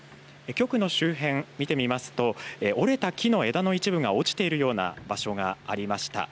局の周辺、見てみますと折れた木の枝の一部が落ちているような場所がありました。